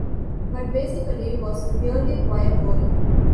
But basically was really quite boring.